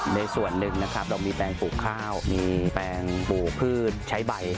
ในส่วนหนึ่งนะครับเรามีแปลงปลูกข้าวมีแปลงปลูกพืชใช้ใบ